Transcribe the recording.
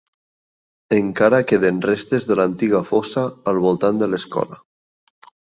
Encara queden restes de l'antiga fossa al voltant de l'escola.